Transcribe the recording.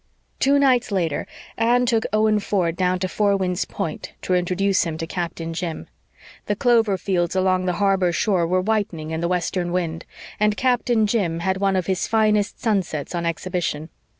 Two nights later Anne took Owen Ford down to Four Winds Point to introduce him to Captain Jim. The clover fields along the harbor shore were whitening in the western wind, and Captain Jim had one of his finest sunsets on exhibition.